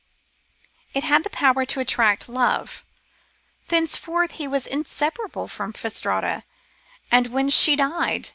It had the power to attract love. Thenceforth he was inseparable from Fastrada, and when she died he 1 Cf.